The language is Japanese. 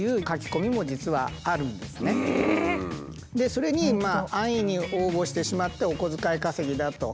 それに安易に応募してしまってお小遣い稼ぎだと。